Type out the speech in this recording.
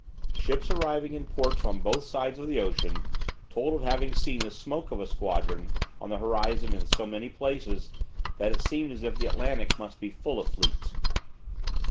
Ships arriving in ports on both sides of the ocean told of having seen the smoke of a squadron on the horizon in so many places that it seemed as if the Atlantic must be full of fleets.